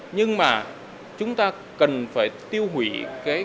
nhưng mà chúng ta cần phải tiêu hủy cái